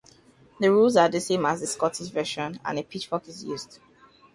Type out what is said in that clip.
The rules are the same as the Scottish version and a pitchfork is used.